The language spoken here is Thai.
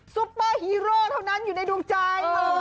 ซุปเปอร์ฮีโร่เท่านั้นอยู่ในดวงใจ